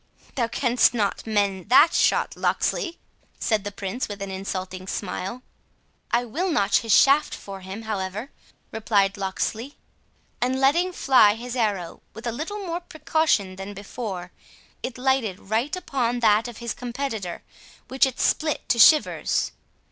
"Thou canst not mend that shot, Locksley," said the Prince, with an insulting smile. "I will notch his shaft for him, however," replied Locksley. And letting fly his arrow with a little more precaution than before, it lighted right upon that of his competitor, which it split to shivers.